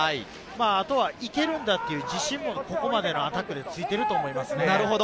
あとは行けるんだという自信もここまでのアタックでついていると思います。